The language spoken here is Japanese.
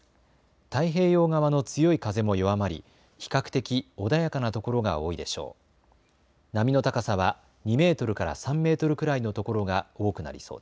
太平洋側の強い風も弱まり比較的穏やかな所が多いでしょう。